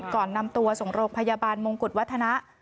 ก่อนนำตัวส่งโรงพยาบาลมงกุฎวัฒนะ